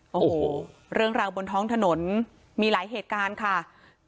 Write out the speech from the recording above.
โอ้โหเรื่องราวบนท้องถนนมีหลายเหตุการณ์ค่ะ